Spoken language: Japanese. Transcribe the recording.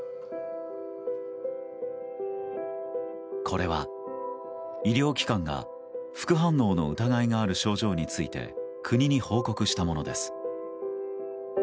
これは医療機関が副反応の疑いがある症状について国に報告したものです。